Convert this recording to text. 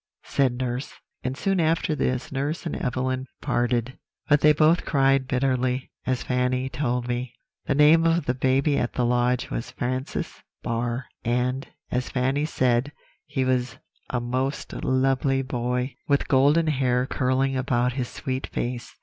said nurse. "And soon after this nurse and Evelyn parted; but they both cried bitterly, as Fanny told me. "The name of the baby at the lodge was Francis Barr; and, as Fanny said, he was a most lovely boy, with golden hair curling about his sweet face.